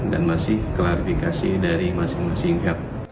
dan masih klarifikasi dari masing masing